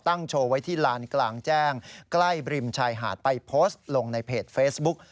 โชว์ไว้ที่ลานกลางแจ้งใกล้บริมชายหาดไปโพสต์ลงในเพจเฟซบุ๊ก